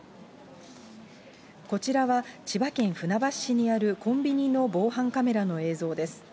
こちらは千葉県船橋市にあるコンビニの防犯カメラの映像です。